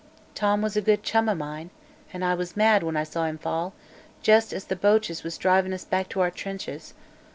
Tom was a good chum o' mine, an' I was mad when I saw him fall jest as the Boches was drivin' us back to our trenches.